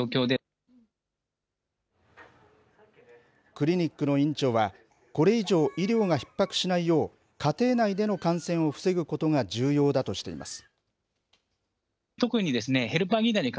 クリニックの院長は、これ以上、医療がひっ迫しないよう家庭内での感染を防ぐことが重要だとしています。